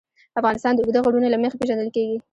افغانستان د اوږده غرونه له مخې پېژندل کېږي.